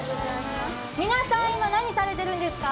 皆さん、今、何されてるんですか？